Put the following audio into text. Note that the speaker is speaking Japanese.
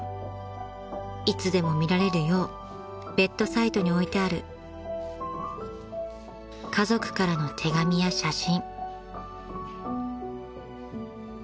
［いつでも見られるようベッドサイドに置いてある家族からの手紙や写真］